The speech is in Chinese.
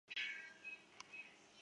毕业于辅仁大学历史系。